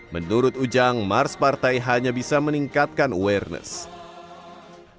menurut ujang mars partai hanya bisa meningkatkan awareness